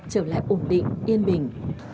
trở lại ổn định yên bình